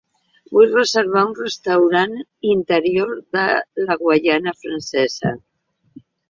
Vull reservar un restaurant interior de la Guaiana Francesa.